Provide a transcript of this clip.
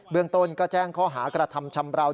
เมืองต้นก็แจ้งข้อหากระทำชำราว